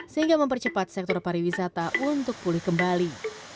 sehingga mempercepat sektor pariwisata untuk pulih kembali